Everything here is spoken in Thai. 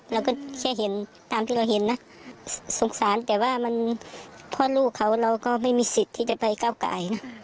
เราก็แค่เห็นตามที่เราเห็นนะสงสารแต่ว่ามันพ่อลูกเขาเราก็ไม่มีสิทธิ์ที่จะไปก้าวไก่